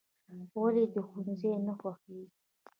"ولې دې ښوونځی نه خوښېږي؟"